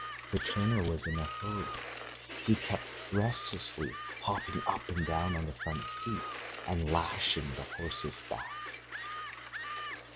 The turner was in a hurry. He kept restlessly hopping up and down on the front seat and lashing the horse's back.